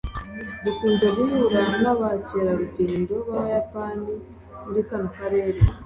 dukunze guhura nabakerarugendo b'abayapani muri kano karere